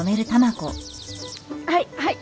はいはい。